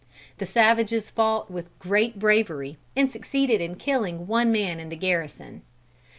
The savages fought with great bravery, and succeeded in killing one man in the garrison.